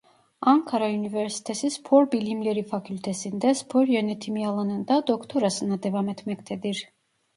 Ankara Üniversitesi Spor Bilimleri Fakültesinde spor yönetimi alanında doktorasına devam etmektedir.